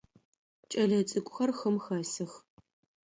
Кӏэлэцӏыкӏухэр хым хэсых.